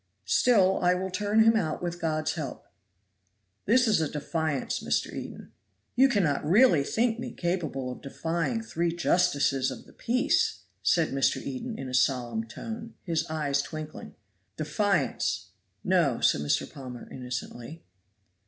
"Still I will turn him out with God's help." "This is a defiance, Mr. Eden." "You cannot really think me capable of defying three justices of the peace!" said Mr. Eden in a solemn tone, his eyes twinkling. "Defiance! no," said Mr. Palmer innocently.